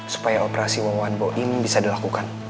supaya operasi wawan boim bisa dilakukan